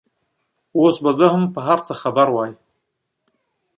اوس به زه هم په هر څه خبره وای.